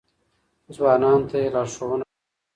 ځوانانو ته يې لارښوونه کوله.